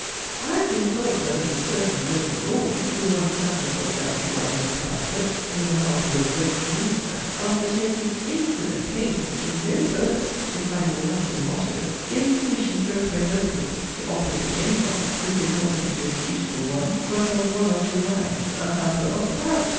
I have been told that a 'certain noble Lord,' who once sat himself down to write a 'pamphlet' in behalf of a 'great minister,' after taking 'infinite pains' to 'no purpose' to find a 'Latin motto,' gave commission to a friend of 'his' to offer to 'any one,' who could help him to a 'suitable one,' but of one or two lines, a 'hamper of claret.'